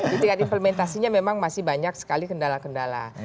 di tingkat implementasinya memang masih banyak sekali kendala kendala